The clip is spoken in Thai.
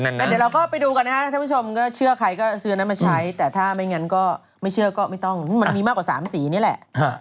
ท่านผู้ชมเฉื่อใครก็คืนนั้นมาใช้แต่ถ้าไม่งั้นก็ไม่เชื่อก็ไม่ต้องมันมีมากกว่า๓สีนี้แหละ